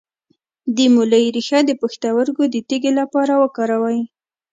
د مولی ریښه د پښتورګو د تیږې لپاره وکاروئ